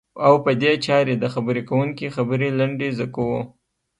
او په دې چارې د خبرې کوونکي خبرې لنډی ز کوو.